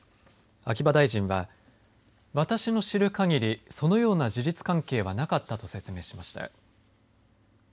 秋葉大臣は、私の知るかぎり、そのような事実関係はなかったと説明しました。